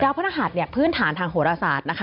พระรหัสเนี่ยพื้นฐานทางโหรศาสตร์นะคะ